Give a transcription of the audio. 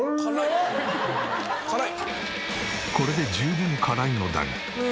これで十分辛いのだが。